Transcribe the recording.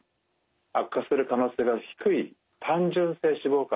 悪化する可能性が低い単純性脂肪肝ですね。